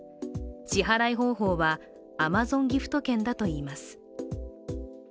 支払い方法はＡｍａｚｏｎギフト券だといいます。